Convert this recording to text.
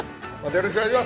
よろしくお願いします。